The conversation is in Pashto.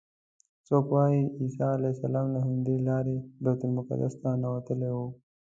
څوک وایي عیسی علیه السلام له همدې لارې بیت المقدس ته ننوتلی و.